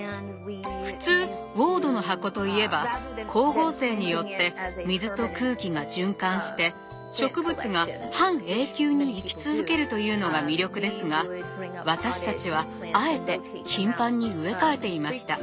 普通ウォードの箱といえば光合成によって水と空気が循環して植物が半永久に生き続けるというのが魅力ですが私たちはあえて頻繁に植え替えていました。